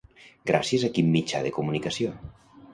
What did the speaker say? Gràcies a quin mitjà de comunicació?